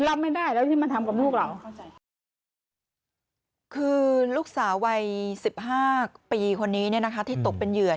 สาววัย๑๕ปีคนนี้ที่ตกเป็นเหยื่อ